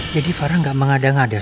jadi fara nggak mengada ngada leave